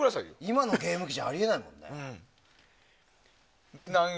今のゲーム機じゃあり得ないもんね。